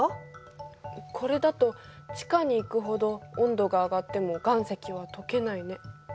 これだと地下に行くほど温度が上がっても岩石はとけないね。